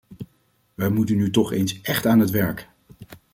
Wij moeten nu toch eens echt aan het werk!